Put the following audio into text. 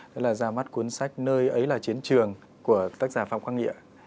đó là ra mắt cuốn sách nơi ấy là chiến trường của tác giả phạm quang nghị